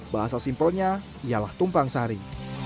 bahasa simpelnya ialah tumpang sari